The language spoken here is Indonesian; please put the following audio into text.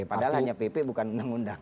padahal hanya pp bukan undang undang